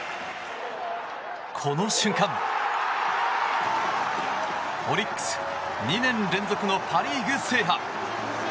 この瞬間、オリックス２年連続のパ・リーグ制覇。